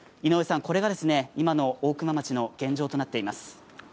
これが今の大熊町の現状となっています。